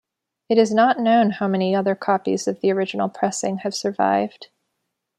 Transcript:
It is not known how many other copies of the original pressing have survived.